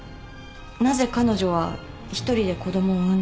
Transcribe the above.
なぜ彼女は一人で子供を産んだのか。